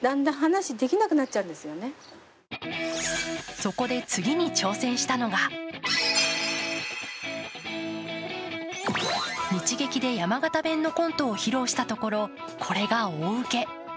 そこで次に挑戦したのが日劇で山形弁のコントを披露したところ、これが大ウケ。